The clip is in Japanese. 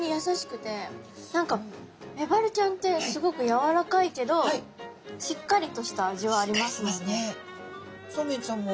何かメバルちゃんってすごくやわらかいけどしっかりとした味はありますもんね。